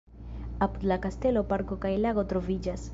Apud la kastelo parko kaj lago troviĝas.